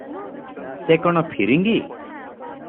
ସେ କଣ ଫିରିଙ୍ଗୀ?